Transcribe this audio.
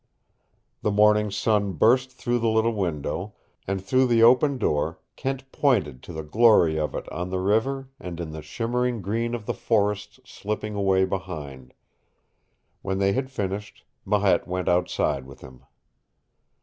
The morning sun burst through the little window, and through the open door Kent pointed to the glory of it on the river and in the shimmering green of the forests slipping away behind. When they had finished, Marette went outside with him.